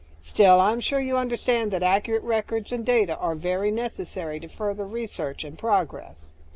Still, I'm sure you understand that accurate records and data are very necessary to further research and progress."